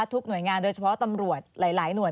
หน่วยงานโดยเฉพาะตำรวจหลายหน่วย